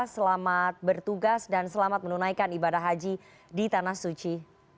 selamat bertugas dan selamat menunaikan ibadah haji di tanah suci